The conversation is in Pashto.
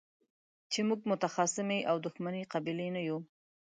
چې موږ متخاصمې او دښمنې قبيلې نه يو.